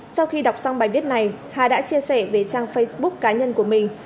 sau khi đọc xong bài viết này hà đã chia sẻ về trang facebook cá nhân của mình